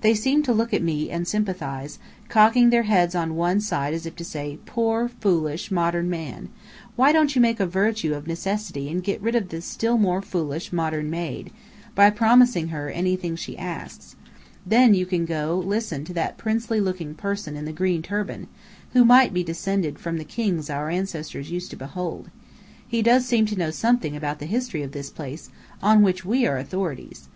They seemed to look at me, and sympathize, cocking their heads on one side as if to say, "Poor, foolish, modern man, why don't you make a virtue of necessity and get rid of this still more foolish modern maid, by promising her anything she asks? Then you can go listen to that princely looking person in the green turban, who might be descended from the kings our ancestors used to behold. He does seem to know something about the history of this place, on which we are authorities!